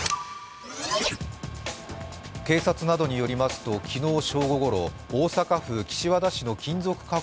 警察などによりますと昨日正午ごろ大阪府岸和田市の金属加工